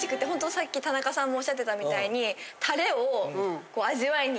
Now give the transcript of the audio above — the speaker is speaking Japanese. さっき田中さんもおっしゃってたみたいに。